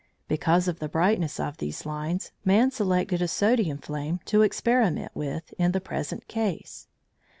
Because of the brightness of these lines, man selected a sodium flame to experiment with in the present case.